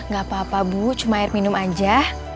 gak apa apa bu cuma air minum aja